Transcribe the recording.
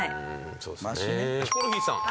ヒコロヒーさん。